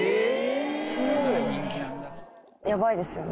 ヤバいですよね